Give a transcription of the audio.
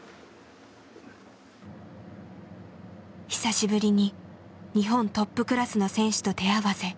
久しぶりに日本トップクラスの選手と手合わせ。